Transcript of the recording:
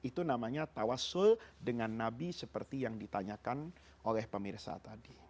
itu namanya tawasul dengan nabi seperti yang ditanyakan oleh pemirsa tadi